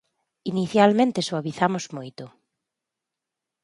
Inicialmente suavizamos moito.